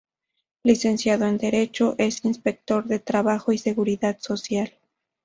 Licenciado en Derecho, es inspector de trabajo y seguridad social.